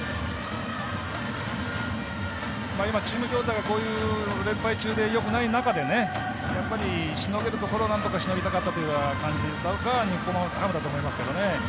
今、チーム状態が連敗中でよくない中でやっぱりしのげるところをなんとかしのぎたかったという感じなのが日本ハムだと思いますけどね。